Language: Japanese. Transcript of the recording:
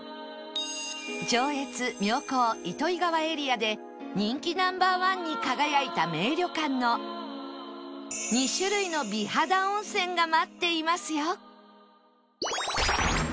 上越・妙高・糸魚川エリアで人気 Ｎｏ．１ に輝いた名旅館の２種類の美肌温泉が待っていますよ